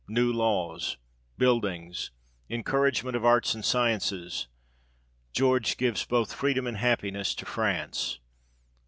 New laws. Buildings. Encouragement of arts and sciences. George gives both freedom and happiness to France.